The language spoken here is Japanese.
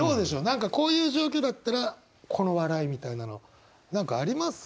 何かこういう状況だったらこの「笑い」みたいなの何かあります？